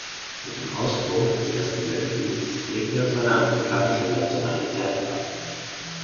Mit dem Ausbruch des Ersten Weltkriegs legte er seine amerikanische Nationalität ab.